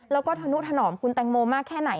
แล้วก็ธนุถนอมคุณแตงโมมากแค่ไหน